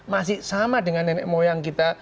masih sama dengan nenek moyang kita